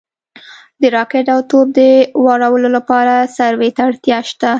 د راکټ او توپ د وارولو لپاره سروې ته اړتیا شته